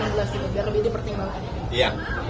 karena hari ini enam belas juga jadi lebih dipertimbangkan